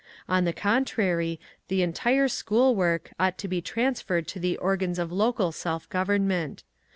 On the contrary, the entire school work ought to be transferred to the organs of local self government.